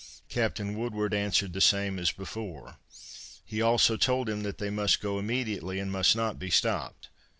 Captain Woodward answered the same as before; he also told him that they must go immediately, and must not be stopped.